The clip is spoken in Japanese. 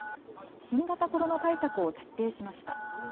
新型コロナ対策を徹底しました。